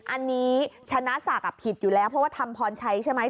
อันนี้ชนะศักดิ์ผิดอยู่แล้วเพราะว่าธรรมพรชัยใช่ไหม